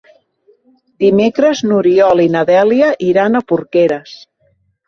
Dimecres n'Oriol i na Dèlia iran a Porqueres.